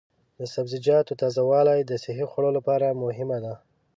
د سبزیجاتو تازه والي د صحي خوړو لپاره مهمه ده.